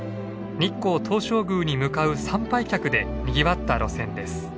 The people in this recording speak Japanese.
日光東照宮に向かう参拝客でにぎわった路線です。